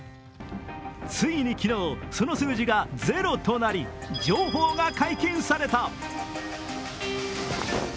ついに昨日、その数字が０となり、情報が解禁された。